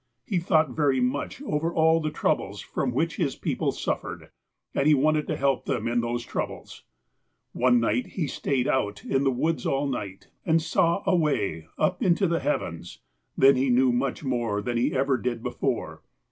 He thought very much over all the troubles from which his people suffered, and he wanted to help them iu those troubles. One night he stayed out in the woods all night, and saw away up into the heavens. Then he knew much more than he ever did before.